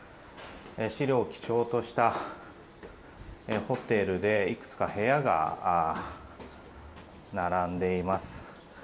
白を基調としたホテルでいくつか部屋が並んでいます。